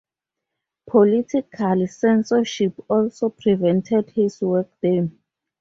Political censorship also prevented his work there.